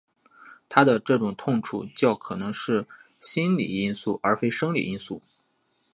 他的这种痛楚较可能是心理因素而非生理因素。